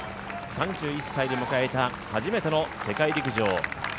３１歳で迎えた初めての世界陸上。